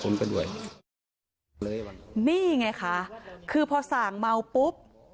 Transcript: นี่ไงคะคือพอส่างเมาปุ๊บ